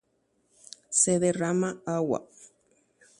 Y oñehẽ